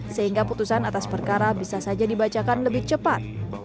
sehingga putusan atas perkara bisa saja dibacakan lebih cepat